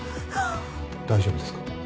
大丈夫ですか？